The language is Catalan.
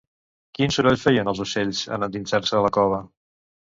Quin soroll feien, els ocells, en endinsar-se a la cova?